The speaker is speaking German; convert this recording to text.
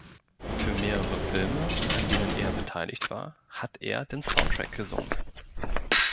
Für mehrere Filme, an denen er beteiligt war, hat er den Soundtrack gesungen.